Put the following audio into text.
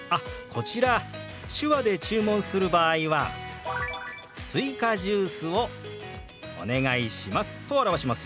こちら手話で注文する場合は「すいかジュースをお願いします」と表しますよ。